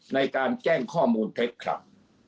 ในการแจ้งข้อมูลเท็จครับ